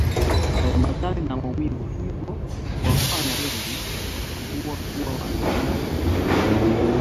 Haiambatani na maumivu hivyo huwafanya wengi kutotambua kuwa wana tatizo hili